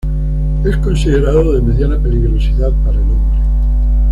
Es considerado de mediana peligrosidad para el hombre.